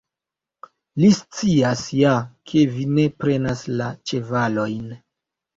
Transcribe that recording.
Li scias ja, ke vi ne prenas la ĉevalojn.